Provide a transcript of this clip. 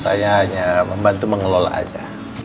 saya hanya membantu mengelola aja